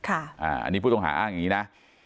อันนี้ผู้ต้องหาอ้างอย่างนี้นะ